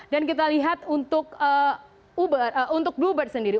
dan kita lihat untuk blue bird sendiri